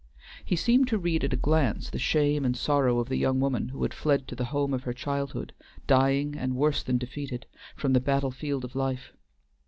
He seemed to read at a glance the shame and sorrow of the young woman who had fled to the home of her childhood, dying and worse than defeated, from the battle field of life.